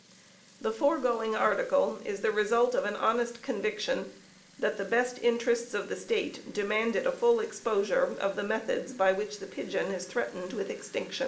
The foregoing article is the result of an honest conviction that the best interests of the State demanded a full exposure of the methods by which the pigeon is threatened with extinction.